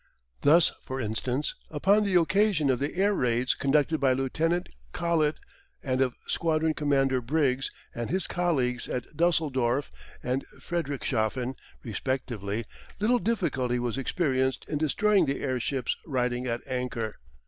Thus, for instance, upon the occasion of the air raids conducted by Lieutenant Collet and of Squadron Commander Briggs and his colleagues at Dusseldorf and Friedrichshafen respectively, little difficulty was experienced in destroying the airships riding at anchor.